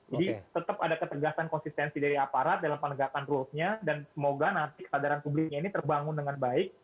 tetap ada ketegasan konsistensi dari aparat dalam penegakan rules nya dan semoga nanti kesadaran publiknya ini terbangun dengan baik